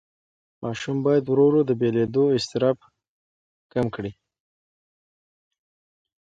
ماشوم باید ورو ورو د بېلېدو اضطراب کمه کړي.